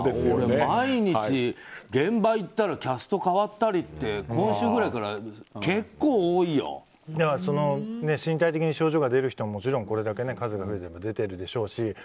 俺、毎日現場行ったらキャスト代わったりって今週くらいから身体的に症状が出る人はもちろん、これだけ数が増えれば出てるでしょうし